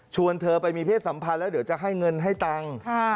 เธอไปมีเพศสัมพันธ์แล้วเดี๋ยวจะให้เงินให้ตังค์